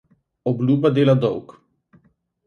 Obljuba dela dolg.